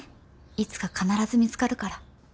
いつか必ず見つかるから。